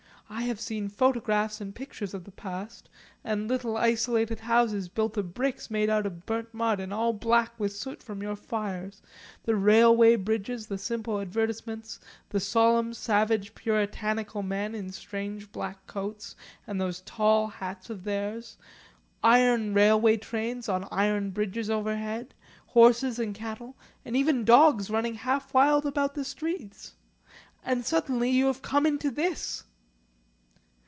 I have seen photographs and pictures of the past, the little isolated houses built of bricks made out of burnt mud and all black with soot from your fires, the railway bridges, the simple advertisements, the solemn savage Puritanical men in strange black coats and those tall hats of theirs, iron railway trains on iron bridges overhead, horses and cattle, and even dogs running half wild about the streets. And suddenly, you have come into this!"